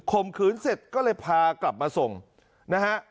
มขืนเสร็จก็เลยพากลับมาส่งนะฮะ